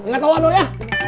gak tau doi ya